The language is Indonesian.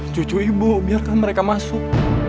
cucu ibu biarkan mereka masuk